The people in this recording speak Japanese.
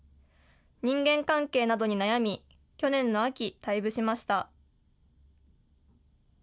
人間関係などに悩み、去年の秋、退部しました。